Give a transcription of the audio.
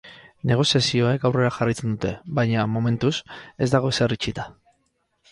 Negoziazioek aurrera jarraitzen dute, baina, momentuz, ez dago ezer itxita.